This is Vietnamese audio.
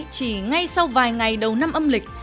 chỉ ngay sau vài ngày đầu năm âm lịch